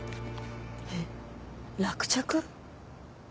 えっ？落着？